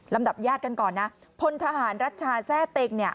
ดับญาติกันก่อนนะพลทหารรัชชาแทร่เต็งเนี่ย